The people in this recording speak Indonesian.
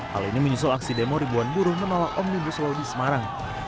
hal ini menyusul aksi demo ribuan buruh yang malah omnibus lalu di semarang